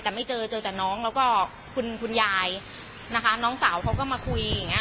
แต่ไม่เจอเจอแต่น้องแล้วก็คุณคุณยายนะคะน้องสาวเขาก็มาคุยอย่างเงี้